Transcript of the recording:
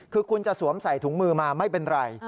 คือคุณจะสวมใส่ถุงมือมาไม่เป็นไร